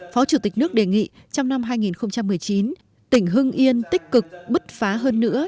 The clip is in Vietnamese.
phó chủ tịch nước đề nghị trong năm hai nghìn một mươi chín tỉnh hưng yên tích cực bứt phá hơn nữa